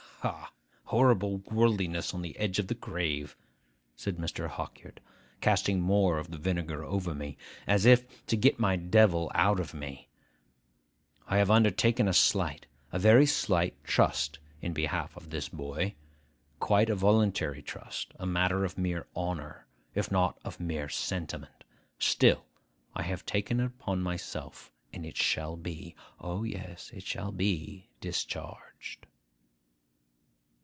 'Hah! Horrible worldliness on the edge of the grave,' said Mr. Hawkyard, casting more of the vinegar over me, as if to get my devil out of me. 'I have undertaken a slight—a very slight—trust in behalf of this boy; quite a voluntary trust: a matter of mere honour, if not of mere sentiment: still I have taken it upon myself, and it shall be (O, yes, it shall be!) discharged.